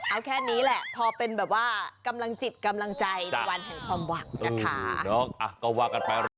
เอาแค่นี้แหละพอเป็นแบบว่ากำลังจิตกำลังใจในวันแห่งความหวังนะคะ